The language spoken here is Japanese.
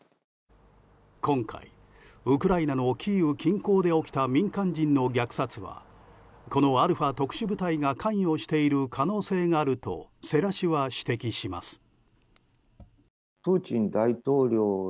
今回、ウクライナのキーウ近郊で起きた民間人の虐殺はこのアルファ特殊部隊が関与している可能性があると世良氏は指摘します。